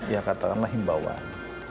ya katakanlah himbawan